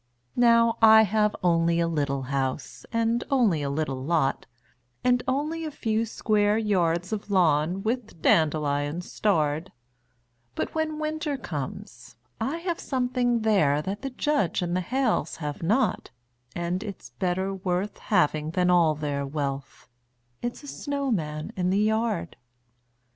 Now I have only a little house, and only a little lot, And only a few square yards of lawn, with dandelions starred; But when Winter comes, I have something there that the Judge and the Hales have not, And it's better worth having than all their wealth it's a snowman in the yard.